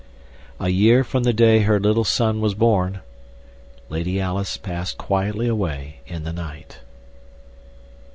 A year from the day her little son was born Lady Alice passed quietly away in the night.